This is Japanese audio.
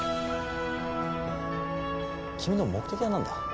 君の目的は何だ？